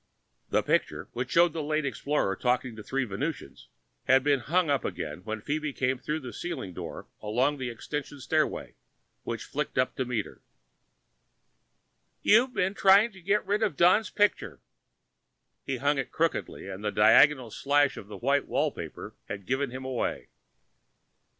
The picture, which showed the late explorer talking with three Venusians, had been hung up again when Phoebe came through the ceiling door along the extension stairway which flicked up to meet her. "You've been trying to get rid of Don's picture!" He'd hung it crookedly, and a diagonal slash of white wallpaper had given him away.